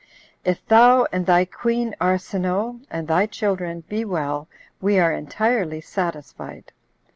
If thou and thy queen Arsinoe, 6 and thy children, be well, we are entirely satisfied.